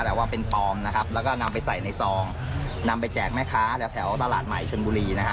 แต่ว่าเป็นปลอมนะครับแล้วก็นำไปใส่ในซองนำไปแจกแม่ค้าแถวตลาดใหม่ชนบุรีนะฮะ